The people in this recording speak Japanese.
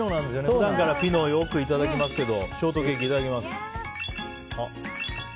普段からピノよくいただきますがショートケーキいただきます。